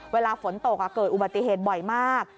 เวลาฝนตกเกิดอุบัติเหตุบ่อยมาก